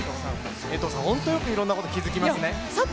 江藤さん、本当によくいろんなことに気がつきますね。